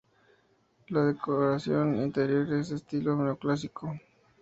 La decoración interior es de estilo neoclásico.